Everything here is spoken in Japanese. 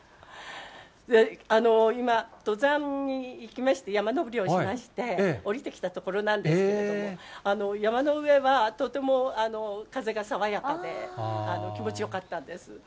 今、登山に行きまして、山登りをしまして、下りてきたところなんですけれども、山の上はとても風が爽やかで、気持ちよかったんです。